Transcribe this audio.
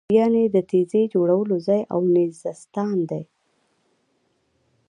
یعنې د نېزې جوړولو ځای او نېزه ستان.